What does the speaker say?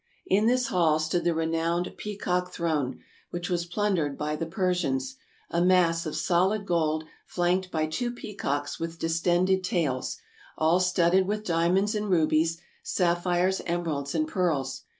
In this hall stood the renowned Peacock Throne, which was plundered oy the Persians, a mass of solid gold flanked by two peacocks with distended tails, all studded with dia monds and rubies, sapphires, emeralds and pearls.